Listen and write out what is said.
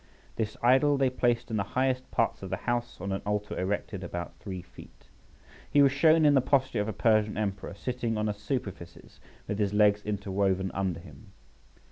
This idol they placed in the highest parts of the house on an altar erected about three feet. He was shown in the posture of a Persian emperor sitting on a superficies with his legs interwoven under him.